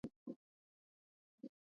علم د پرمختللي فکر اساس دی.